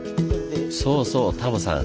そうそうタモさん